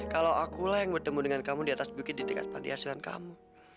kalau akulah yang bertemu dengan kamu di atas bukit di dekat panti asuhan kamu